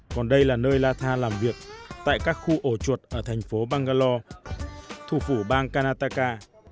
còn đây là nơi lata làm việc tại các khu ổ chuột ở thành phố bangalore thủ phủ bang canataka